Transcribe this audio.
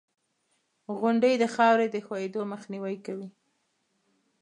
• غونډۍ د خاورې د ښویېدو مخنیوی کوي.